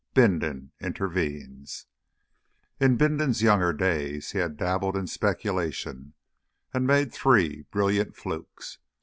V BINDON INTERVENES In Bindon's younger days he had dabbled in speculation and made three brilliant flukes.